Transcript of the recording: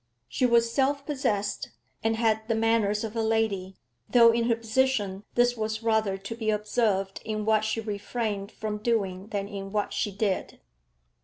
She was self possessed, and had the manners of a lady, though in her position this was rather to be observed in what she refrained from doing than in what she did.